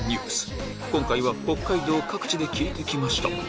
今回は北海道各地で聞いて来ました